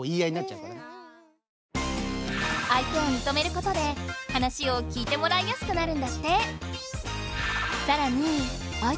相手を認めることで話を聞いてもらいやすくなるんだって！